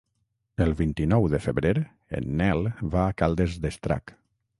El vint-i-nou de febrer en Nel va a Caldes d'Estrac.